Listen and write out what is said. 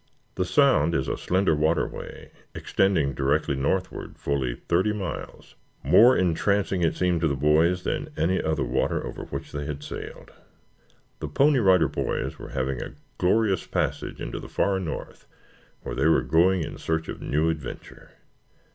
The sound is a slender waterway, extending directly northward fully thirty miles, more entrancing, it seemed to the boys, than any other water over which they had sailed. The Pony Rider Boys were having a glorious passage into the far north where they were going in search of new adventure.